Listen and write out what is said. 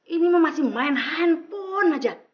ini mau masih main handphone aja